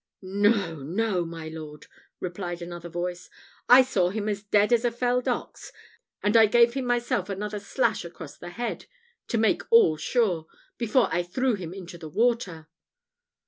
"No, no, my lord!" replied another voice. "I saw him as dead as a felled ox, and I gave him myself another slash across the head, to make all sure, before I threw him into the water."